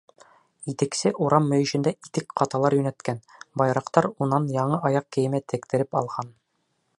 Итексе урам мөйөшөндә итек-ҡаталар йүнәткән, байыраҡтар унан яңы аяҡ кейеме тектереп алған.